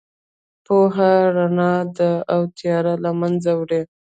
پوهه رڼا ده او تیاره له منځه وړي.